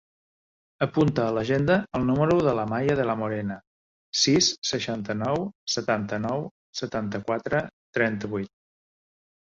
Apunta a l'agenda el número de l'Amaya De La Morena: sis, seixanta-nou, setanta-nou, setanta-quatre, trenta-vuit.